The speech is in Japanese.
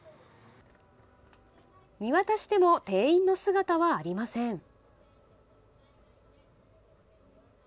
見渡しても店員の姿はありません。